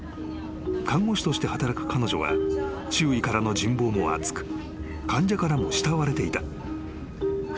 ［看護師として働く彼女は周囲からの人望も厚く患者からも慕われていた］